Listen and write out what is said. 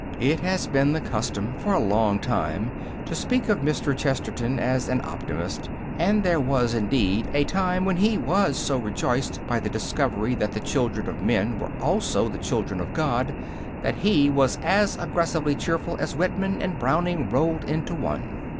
It has been the custom for a long time to speak of Mr. Chesterton as an optimist; and there was, indeed, a time when he was so rejoiced by the discovery that the children of men were also the children of God, that he was as aggressively cheerful as Whitman and Browning rolled into one.